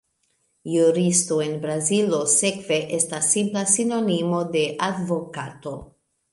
Juristo en Brazilo, sekve, estas simpla sinonimo de advokato.